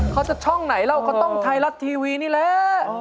เขาจะช่องไหนแล้วเขาต้องไทรัศน์ทีวีนี่แหละ